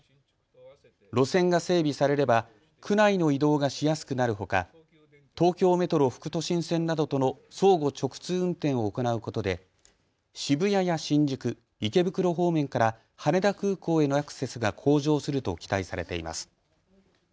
路線が整備されれば区内の移動がしやすくなるほか、東京メトロ副都心線などとの相互直通運転を行うことで渋谷や新宿、池袋方面から羽田空港へのアクセスが向上すると期待されています。